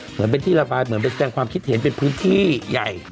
เหมือนเป็นที่ระบายเหมือนไปแสดงความคิดเห็นเป็นพื้นที่ใหญ่